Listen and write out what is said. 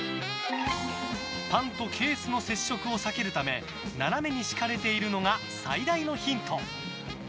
パンとケースの接触を避けるため斜めに敷かれているのが最大のヒント。